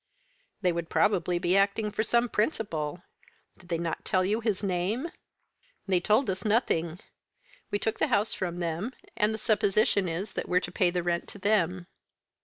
"They would probably be acting for some principal. Did they not tell you his name?" "They told us nothing. We took the house from them, and the supposition is that we're to pay the rent to them."